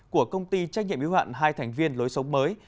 của công ty trách nhiệm yếu hạn hai thành viên lối sống mới